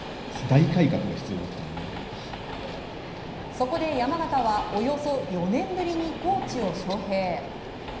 そこで山縣はおよそ４年ぶりにコーチを招聘。